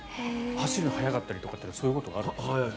走るのが速かったりはそういうことがあるんですね。